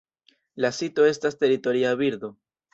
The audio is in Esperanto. La sito estas teritoria birdo.